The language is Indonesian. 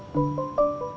ada veteran molai tersebut